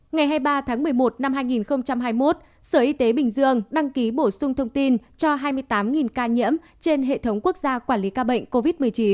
ngày hai mươi ba tháng một mươi một năm hai nghìn hai mươi một sở y tế bình dương đăng ký bổ sung thông tin cho hai mươi tám ca nhiễm trên hệ thống quốc gia quản lý ca bệnh covid một mươi chín